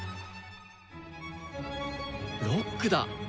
ロックだ！